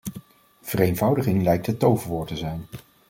Vereenvoudiging lijkt het toverwoord te zijn.